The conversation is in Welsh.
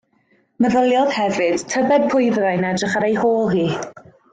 Meddyliodd hefyd tybed pwy fyddai'n edrych ar ei hôl hi.